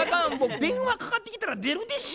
電話かかってきたら出るでしょ？